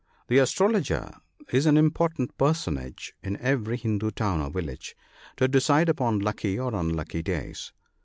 — The astrologer is an im portant personage in every Hindoo town or village to decide upon lucky or unlucky days.